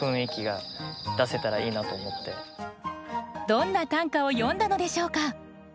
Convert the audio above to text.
どんな短歌を詠んだのでしょうか。